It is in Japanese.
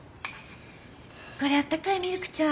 これあったかいミルクちゃん。